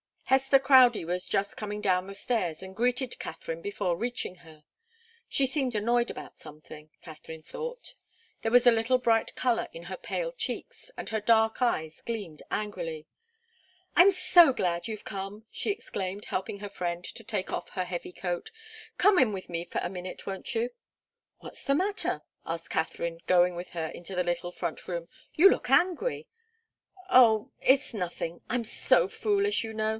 Hester Crowdie was just coming down the stairs, and greeted Katharine before reaching her. She seemed annoyed about something, Katharine thought. There was a little bright colour in her pale cheeks, and her dark eyes gleamed angrily. "I'm so glad you've come!" she exclaimed, helping her friend to take off her heavy coat. "Come in with me for a minute, won't you?" "What's the matter?" asked Katharine, going with her into the little front room. "You look angry." "Oh it's nothing! I'm so foolish, you know.